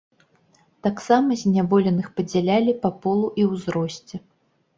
Таксама зняволеных падзялялі па полу і ўзросце.